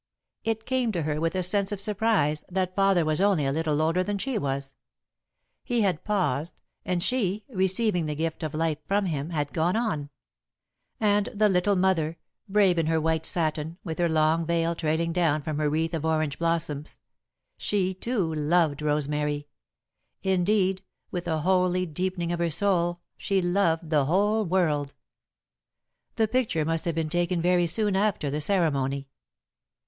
It came to her with a sense of surprise that father was only a little older than she was; he had paused, and she, receiving the gift of life from him, had gone on. And the little mother, brave in her white satin, with her long veil trailing down from her wreath of orange blossoms; she too, loved Rosemary; indeed, with a holy deepening of her soul, she loved the whole world. [Sidenote: Effects of the Picture] The picture must have been taken very soon after the ceremony.